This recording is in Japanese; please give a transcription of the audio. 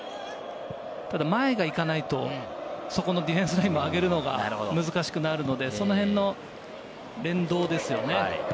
前が行かないと、そこのディフェンスラインを上げるのが難しくなるので、その辺の連動ですよね。